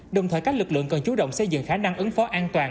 đồng thời các lực lượng cần chú động xây dựng khả năng ứng phó an toàn